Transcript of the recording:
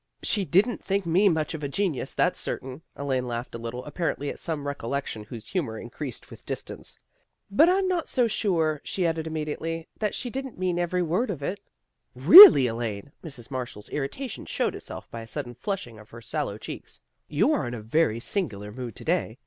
" She didn't think me much of a genius, that's certain." Elaine laughed a little, apparently at some recollection whose humor increased with distance. " But I'm not so sure," she added immediately, " that she didn't mean every word of it." " Really, Elaine! " Mrs. Marshall's irrita tion showed itself by a sudden flushing of her sallow cheeks. " You are in a very singular mood to day.